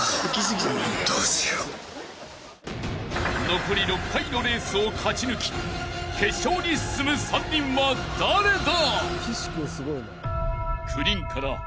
［残り６回のレースを勝ち抜き決勝に進む３人は誰だ？］